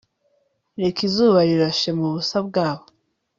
Reka izuba rirashe mubusa bwabo